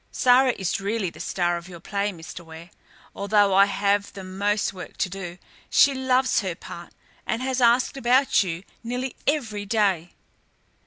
Sara is really the star of your play, Mr. Ware, although I have the most work to do. She loves her part and has asked about you nearly every day."